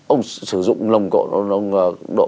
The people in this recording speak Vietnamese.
ông sử dụng lồng cổ